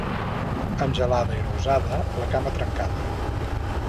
Amb gelada i rosada, la cama trencada.